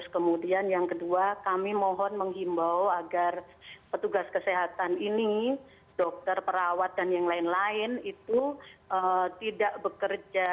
kemudian yang kedua kami mohon menghimbau agar petugas kesehatan ini dokter perawat dan yang lain lain itu tidak bekerja